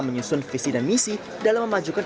menyusun visi dan misi dalam memajukan